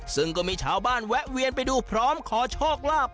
ซึ่งก็มีชาวบ้านแวะเวียนไปดูพร้อมขอโชคลาภ